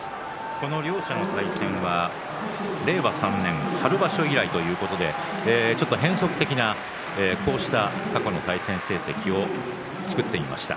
この両者の対戦は令和３年春場所以来ということでちょっと変則的な過去の対戦成績を作ってみました。